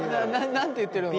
何て言ってるのか。